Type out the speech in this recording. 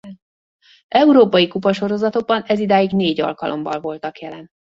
Európai kupasorozatokban ezidáig négy alkalommal voltak jelen.